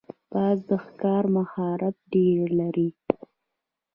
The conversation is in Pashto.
باز د ښکار مهارت ډېر لري